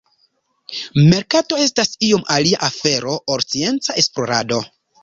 Merkatado estas iom alia afero ol scienca esplorado.